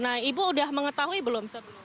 nah ibu sudah mengetahui belum